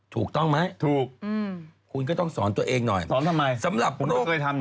ถูกต้องไหมถูกคุณก็ต้องสอนตัวเองหน่อยสำหรับโรคสอนทำไม